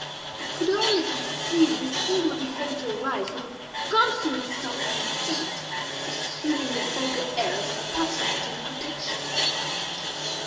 I could only conceive this singular behavior to arise from a consummate self conceit assuming the vulgar airs of patronage and protection.